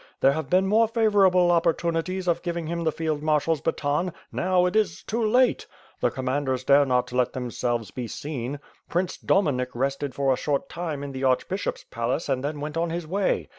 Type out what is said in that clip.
There have been more favorable oppoitunties of giving him the field marshal's baton; now it is too late. The commanders dare not let them selves be seen. Prince Dominik rested for a short time in the archbishop's palace and then went on his way.